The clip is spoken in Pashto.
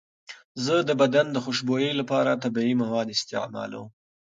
زه د بدن د خوشبویۍ لپاره طبیعي مواد استعمالوم.